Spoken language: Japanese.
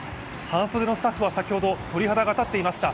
半袖のスタッフは先ほど鳥肌が立っていました。